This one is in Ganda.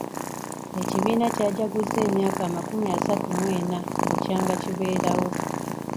Ekibiina kyajaguzza emyaka amakumi asatu mu ena bukya nga kibeerawo.